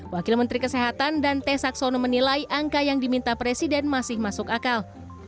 wakil menteri kesehatan dante saxono menilai angka yang diminta presiden masih masuk akal